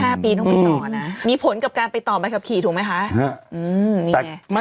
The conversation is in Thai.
นี่๕ปีต้องไปต่อนะมีผลกับการไปต่อใบขับขี่ถูกมั้ยคะ